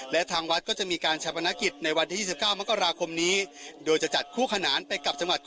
และทางวัดก็จะมีการชะพนาคิด